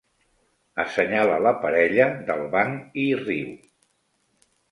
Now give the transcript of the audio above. Assenyala la parella del banc i riu.